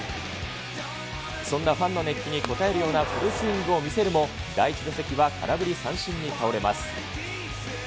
そんなファンの熱気に応えるようなフルスイングを見せるも、第１打席は空振り三振に倒れます。